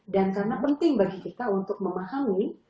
dan karena penting bagi kita untuk memahami